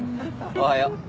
おはよう。